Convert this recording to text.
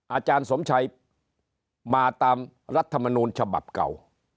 อาจารย์สมชัยมาตามรัฐมนูลฉบับเก่า